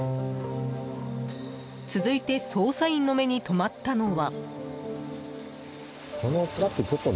続いて捜査員の目に留まったのは。